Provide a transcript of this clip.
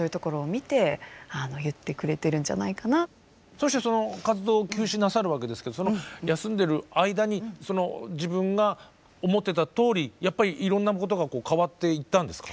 そしてその活動を休止なさるわけですけどその休んでる間に自分が思ってたとおりやっぱりいろんなことが変わっていったんですか？